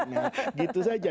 nah gitu saja